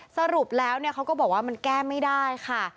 สรุปแล้วเขาก็บอกว่ามันแก้ไม่ได้ค่ะ